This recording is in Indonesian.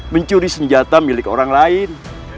mencuri senjata milik orang lain